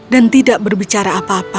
dan tidak berbicara apa apa